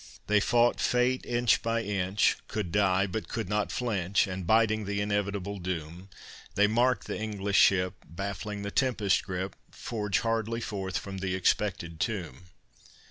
They fought Fate inch by inch, Could die, but could not flinch; And, biding the inevitable doom, They marked the English ship, Baffling the tempest's grip, Forge hardly forth from the expected tomb.